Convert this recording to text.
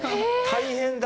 大変だ！